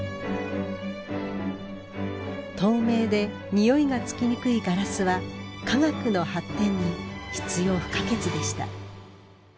透明でにおいがつきにくいガラスは科学の発展に必要不可欠でした。